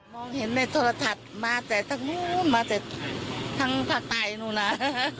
มองเห็นทรทัศน์มามาจากทั้งภาคไตนู่นา